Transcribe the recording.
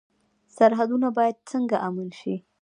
سرحدونه باید څنګه امن شي؟